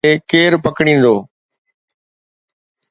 چورن کي ڪير پڪڙيندو؟